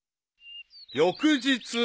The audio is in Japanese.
［翌日］